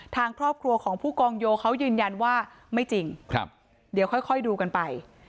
ทางครอบครัวของผู้กองโยเขายืนยันว่าไม่จริงเดี๋ยวค่อยดูกันไป